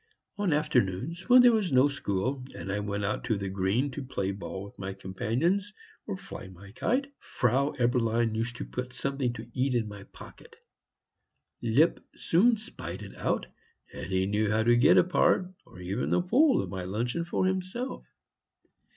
On afternoons when there was no school, and I went out on the green to play ball with my companions or fly my kite, Frau Eberlein used to put something to eat in my pocket. Lipp soon spied it out, and he knew how to get a part, or even the whole of my luncheon for himself.